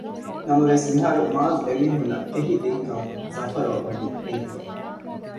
ނަމަވެސް މިހާރު މާޒް އެމީހުންނަށް ކެހި ދިންކަން ޒަފަރުއަށް ވާނީ އެނގިފަ